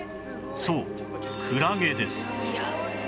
そうクラゲです